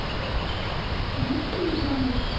いいじゃん別に。